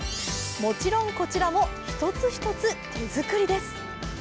もちろん、こちらも一つ一つ手作りです。